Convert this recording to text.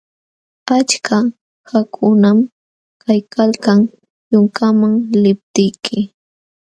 Achka qaqakunam kaykalkan yunkaman liptiyki.